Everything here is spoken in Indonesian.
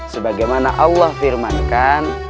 sebagaimana allah firmankan